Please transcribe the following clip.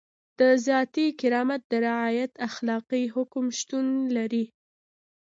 د ذاتي کرامت د رعایت اخلاقي حکم شتون لري.